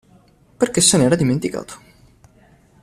Perché se n'era dimenticato.